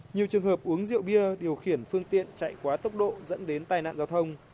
nhiều trường hợp uống rượu bia điều khiển phương tiện chạy quá tốc độ dẫn đến tai nạn giao thông